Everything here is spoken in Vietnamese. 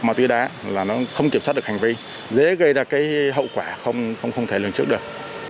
màu tươi đá là nó không kiểm soát được hành vi dễ gây ra hậu quả không thể lường trước được